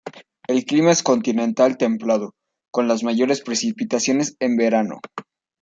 El clima es continental templado, con las mayores precipitaciones en verano.